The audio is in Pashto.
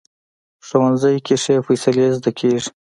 ښوونځی کې ښې فیصلې زده کېږي